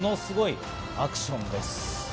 ものすごいアクションです！